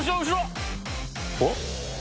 おっ？